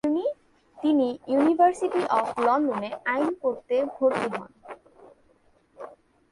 তিনি university of লন্ডনে আইন পড়তে ভর্তি হন।